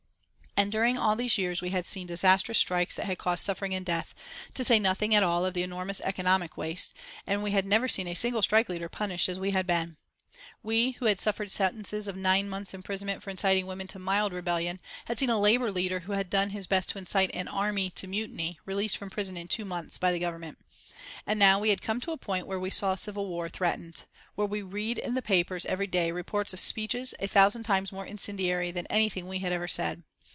And during all these years we had seen disastrous strikes that had caused suffering and death, to say nothing at all of the enormous economic waste, and we had never seen a single strike leader punished as we had been. We, who had suffered sentences of nine months' imprisonment for inciting women to mild rebellion, had seen a labour leader who had done his best to incite an army to mutiny released from prison in two months by the Government. And now we had come to a point where we saw civil war threatened, where we read in the papers every day reports of speeches a thousand times more incendiary than anything we had ever said.